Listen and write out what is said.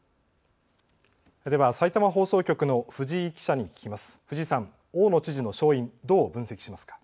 さいたま放送局の藤井記者に聞きます。